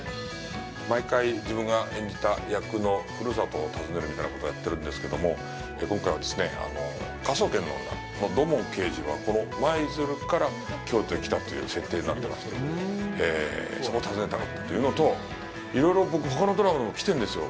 毎回、自分が演じた役のふるさとを訪ねるみたいなことをやってるんですけども、今回はですね、「科捜研の女」の土門刑事は、この舞鶴から京都へ来たという設定になってまして、そこを訪ねたかったというのと、いろいろ、僕、ほかのドラマでも来てるんですよ。